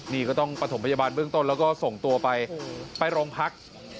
นี่ก็ต้องประถมพยาบาลเบื้องต้นแล้วก็ส่งตัวไปไปโรงพัก